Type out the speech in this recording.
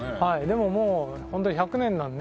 でももう本当に１００年なんで。